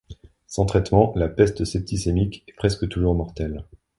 Sans traitement, la peste septicémique est presque toujours mortelle.